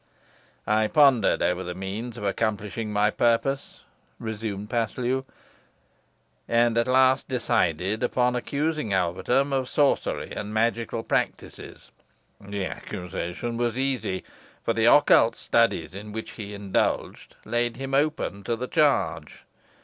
"I pondered over the means of accomplishing my purpose," resumed Paslew, "and at last decided upon accusing Alvetham of sorcery and magical practices. The accusation was easy, for the occult studies in which he indulged laid him open to the charge.